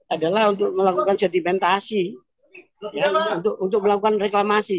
adalah untuk melakukan sedimentasi untuk melakukan reklamasi